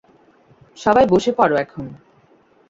সবাই বসে পড় এখন।